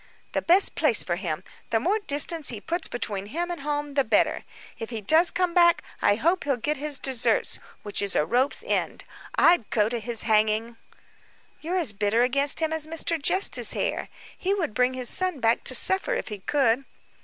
"The best place for him; the more distance he puts between him and home, the better. If he does come back, I hope he'll get his desserts which is a rope's end. I'd go to his hanging." "You are as bitter against him as Mr. Justice Hare. He would bring his son back to suffer, if he could."